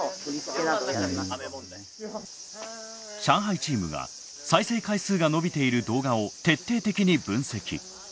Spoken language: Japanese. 上海チームが再生回数が伸びている動画を徹底的に分析。